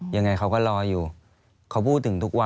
ยังไงเขาก็รอยอยู่